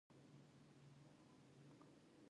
نه ښايي چې نوم دې سړی یا آدمي کېږدي.